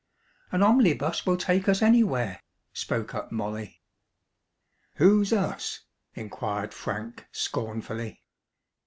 "An omlibus will take us anywhere," spoke up Molly. "Who's us?" inquired Frank scornfully.